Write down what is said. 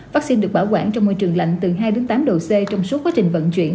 vaccine được bảo quản trong môi trường lạnh từ hai tám độ c trong suốt quá trình vận chuyển